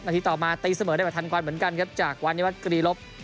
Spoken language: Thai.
ทีต่อมาตีเสมอได้แบบทันควันเหมือนกันครับจากวานิวัฒกรีลบ